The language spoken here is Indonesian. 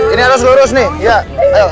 ini harus lurus nih